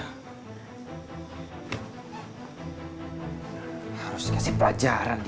harus dikasih pelajaran dia